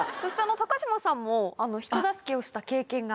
高嶋さんも人助けをした経験が。